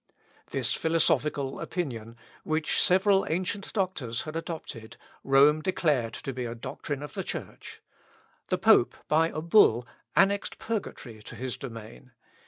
This philosophical opinion, which several ancient doctors had adopted, Rome declared to be a doctrine of the Church. The pope, by a bull, annexed purgatory to his domain.